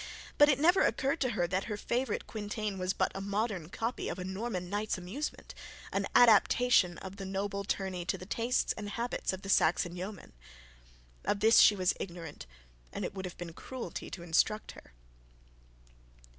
But it never occurred to her that her favourite quintain was but a modern copy of a Norman knight's amusement, an adaptation of the noble tourney to the tastes and habits of the Saxon yeomen. Of this she was ignorant, and it would have been cruelty to instruct her.